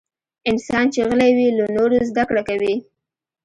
انسان چې غلی وي، له نورو زدکړه کوي.